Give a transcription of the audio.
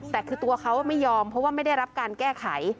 แต่คือตัวเขาไม่ยอมเพราะว่าไม่ได้รับการแก้ไข